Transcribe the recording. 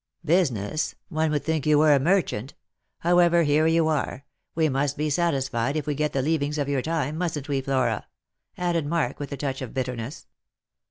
" Business ! One would think you were a merchant. How ever, here you are. We must be satisfied if we get the leavings of your time, mustn't we, Flora? " added Mark, with a touch of bitterness.